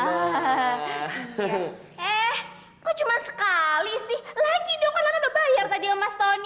eh kok cuma sekali sih lagi dong karena aku udah bayar tadi emas tony